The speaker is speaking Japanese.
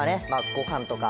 ご飯とか